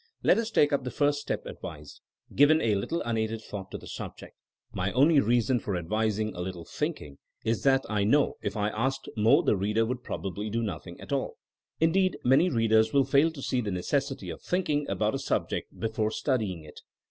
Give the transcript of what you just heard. Let us take up the first step advised — ^giving a little unaided thought to the subject. My only reason for advising '*a little'* thinking, is that I know if I asked more the reader would probably do nothing at all. Indeed many readers will fail to see the necessity of thinking about a sub ject before studying it.